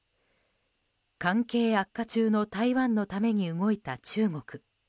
関係悪化中の台湾のために動いた中国。